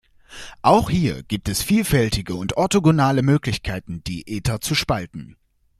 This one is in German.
Auch hier gibt es vielfältige und orthogonale Möglichkeiten die Ether zu spalten.